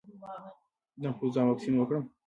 د انفلونزا واکسین وکړم؟